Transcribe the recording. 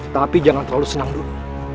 tapi jangan terlalu senang dulu